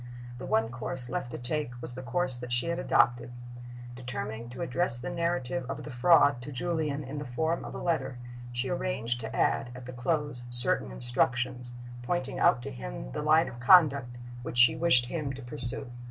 The one course left to take was the course that she had adopted. Determining to address the narrative of the Fraud to Julian in the form of a letter, she arranged to add, at the close, certain instructions, pointing out to him the line of conduct which she wished him to pursue.